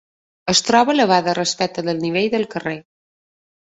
Es troba elevada respecte del nivell del carrer.